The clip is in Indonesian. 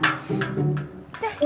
bukain loh ya